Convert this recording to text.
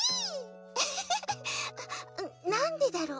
ウフフフなんでだろう？